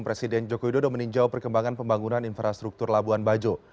presiden jokowi dodo meninjau perkembangan pembangunan infrastruktur labuan bajo